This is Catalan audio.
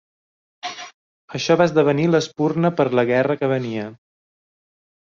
Això va esdevenir l'espurna per la guerra que venia.